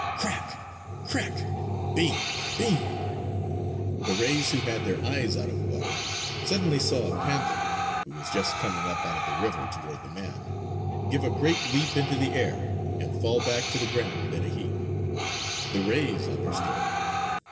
C r r ack! C r r r ack! Bing! Bing. The rays who had their eyes out of water suddenly saw a panther, who was just coming up out of the river toward the man, give a great leap into the air and fall back to the ground in a heap. The rays understood!